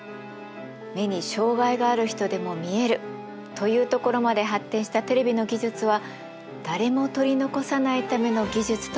目に障害がある人でも見えるというところまで発展したテレビの技術は誰も取り残さないための技術と言えます。